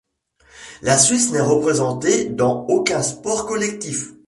La Suisse n'est représentée dans aucun sport collectif.